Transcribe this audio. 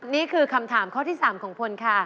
นี่คือคำถามข้อที่๓ของพลค่ะ